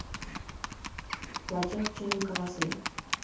Лачак чыным каласем: